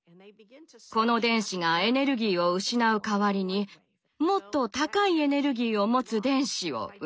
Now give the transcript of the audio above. この電子がエネルギーを失う代わりにもっと高いエネルギーを持つ電子を生み出します。